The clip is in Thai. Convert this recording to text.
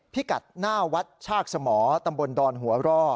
พิกัดหน้าวัดชากสมอตำบลดอนหัวร่อ